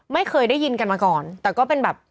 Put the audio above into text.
ไม่เคยได้ยินกันมาก่อนแต่ก็เป็นแบบ